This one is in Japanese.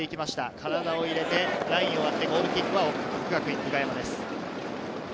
体を入れて、ラインを割ってゴールキックは國學院久我山です。